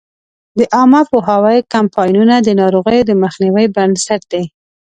د عامه پوهاوي کمپاینونه د ناروغیو د مخنیوي بنسټ دی.